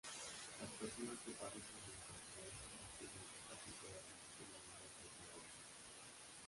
Las personas que padecen de incontinencia requieren ropa que pueda resistir lavados reiterados.